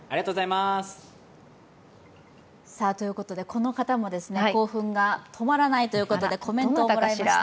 この方も、興奮が止まらないということでコメントを伺いました。